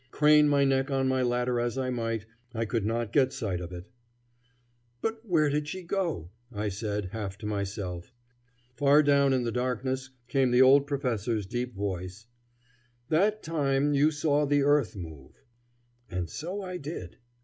Crane my neck on my ladder as I might I could not get sight of it. "But where did she go?" I said, half to myself. Far down in the darkness came the old professor's deep voice: "That time you saw the earth move." And so I did.